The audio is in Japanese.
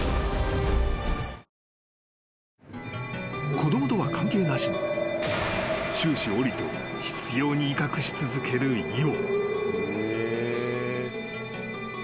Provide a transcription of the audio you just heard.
［子供とは関係なしに終始オリトを執拗に威嚇し続けるイオ］